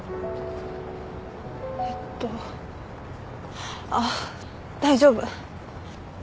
えっとあっ大丈夫。